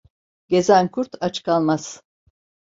Gezen kurt aç kalmaz.